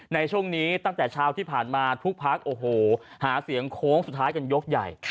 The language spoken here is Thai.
ในช่วงนี้ตั้งแต่เช้าที่ผ่านมาทุกพักโอ้โหหาเสียงโค้งสุดท้ายกันยกใหญ่